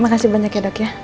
makasih banyak ya dok ya